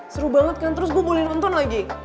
seru banget kan terus gue mulai nonton lagi